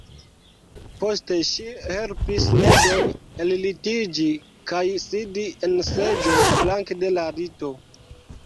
Poste ŝi helpis Nedon ellitiĝi kaj sidi en seĝo flanke de la lito.